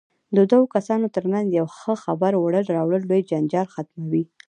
د دوو کسانو ترمنځ یو ښه خبر وړل راوړل لوی جنجال ختموي.